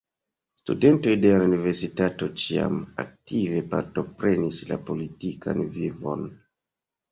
Studentoj de la universitato ĉiam aktive partoprenis la politikan vivon.